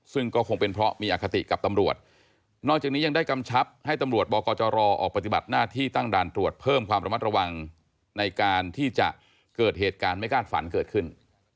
ซึ่งก็คงเป็นเพราะมีอคติกับตำรวจนอกจากนี้ยังได้กำชับให้ตำรวจบกจรออกปฏิบัติหน้าที่ตั้งด่านตรวจเพิ่มความระมัดระวังในการที่จะเกิดเหตุการณ์ไม่คาดฝันเกิดขึ้น